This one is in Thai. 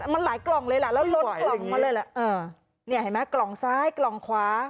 มันหลายกล่องเลยล่ะแล้วล้นกล่องมาเลยแหละนี่เห็นไหมกล่องซ้ายกล่องขวา